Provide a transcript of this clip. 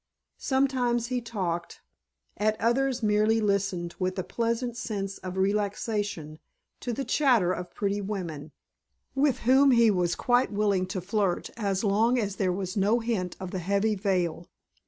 Sometimes he talked, at others merely listened with a pleasant sense of relaxation to the chatter of pretty women; with whom he was quite willing to flirt as long as there was no hint of the heavy vail.